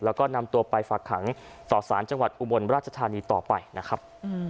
แล้วก็นำตัวไปฝากขังต่อสารจังหวัดอุบลราชธานีต่อไปนะครับ